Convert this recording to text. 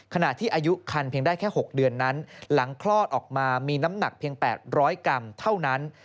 ขณะที่อายุคันเพียงได้แค่๖เดือนนั้นหลังคลอดออกมามีน้ำหนักเพียง๘๐๐กรัมเท่านั้น